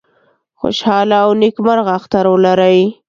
خوشاله او نیکمرغه اختر ولرئ